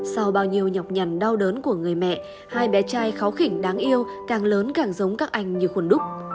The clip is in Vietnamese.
sau bao nhiêu nhọc nhằn đau đớn của người mẹ hai bé trai khó khỉnh đáng yêu càng lớn càng giống các anh như khuôn đúc